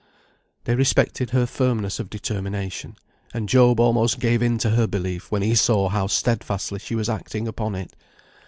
They respected her firmness of determination, and Job almost gave in to her belief, when he saw how steadfastly she was acting upon it.